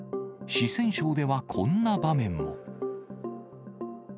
四川省ではこんな場面も。